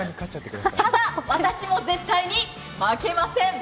ただ私も絶対に負けません。